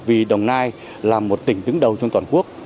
vì đồng nai là một tỉnh đứng đầu trên toàn quốc